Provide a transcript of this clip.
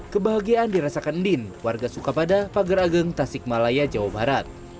kebahagiaan dirasakan din warga sukapada pager ageng tasik malaya jawa barat